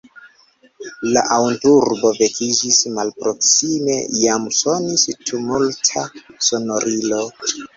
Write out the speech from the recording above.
La antaŭurbo vekiĝis; malproksime jam sonis tumulta sonorilo.